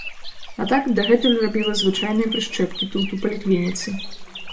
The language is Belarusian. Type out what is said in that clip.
А так, дагэтуль рабіла звычайныя прышчэпкі тут, у паліклініцы.